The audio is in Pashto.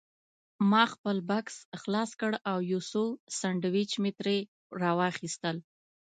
ما خپل بکس خلاص کړ او یو څو سنډوېچ مې ترې راوایستل.